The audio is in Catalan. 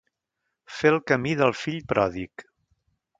Fer el camí del fill pròdig.